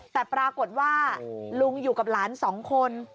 แต่ปรากฏว่าลุงอยู่กับหลานสองคน